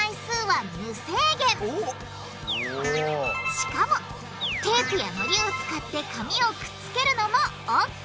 しかもテープやのりを使って紙をくっつけるのもＯＫ！